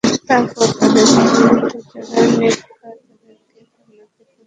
অতঃপর তাদের মধ্যে যারা নেককার, তাদেরকে জান্নাতে প্রবিষ্ট করাবেন।